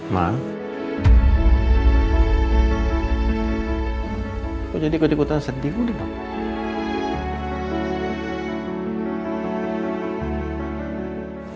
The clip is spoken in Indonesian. sebenarnya aku pendam dari papa